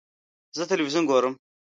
زه تلویزیون ګورم